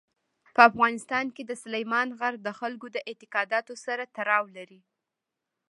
په افغانستان کې سلیمان غر د خلکو د اعتقاداتو سره تړاو لري.